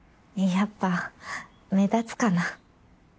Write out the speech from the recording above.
やっぱ目立つかな？